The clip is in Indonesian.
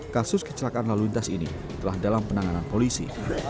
kasus kecelakaan lalu lintas ini telah dalam penanganan polisi